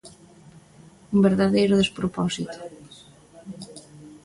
Un verdadeiro despropósito.